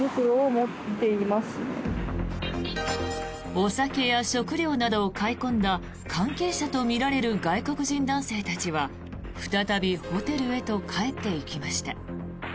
お酒や食料などを買い込んだ関係者とみられる外国人男性たちは再びホテルへと帰っていきました。